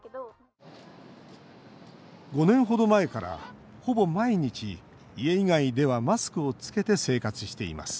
５年程前から、ほぼ毎日家以外ではマスクをつけて生活しています。